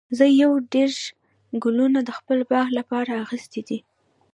زه یو دیرش ګلونه د خپل باغ لپاره اخیستي دي.